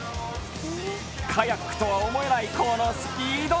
カヤックとは思えないこのスピード。